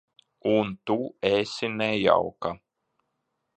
Un tu esi nejauka.